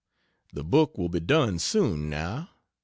The book will be done soon, now.